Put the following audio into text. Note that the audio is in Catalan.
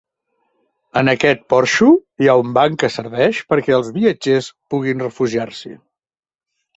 En aquest porxo hi ha un banc que serveix perquè els viatgers puguin refugiar-s'hi.